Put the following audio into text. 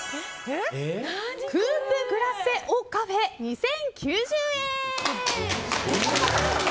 クープ・グラッセ・オ・カフェ２０９０円。